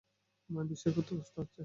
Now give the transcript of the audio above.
বিশ্বাস করতে কষ্ট হচ্ছে!